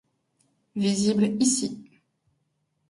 Visible ici.